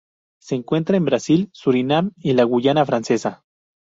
Se encuentra en Brasil, Surinam y la Guayana Francesa.